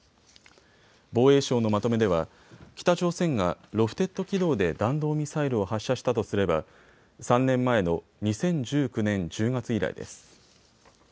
防衛省のまとめでは北朝鮮がロフテッド軌道で弾道ミサイルを発射したとすれば３年前の２０１９年１０月以来です。